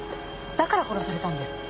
だから殺されたんです。